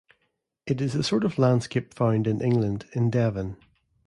It is the sort of landscape found in England in Devon.